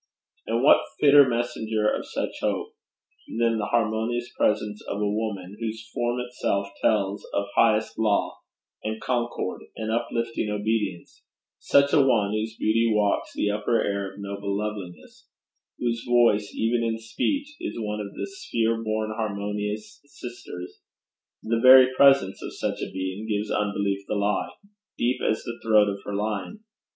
And what fitter messenger of such hope than the harmonious presence of a woman, whose form itself tells of highest law, and concord, and uplifting obedience; such a one whose beauty walks the upper air of noble loveliness; whose voice, even in speech, is one of the 'sphere born harmonious sisters? The very presence of such a being gives Unbelief the lie, deep as the throat of her lying.